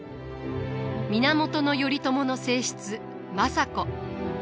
源頼朝の正室政子。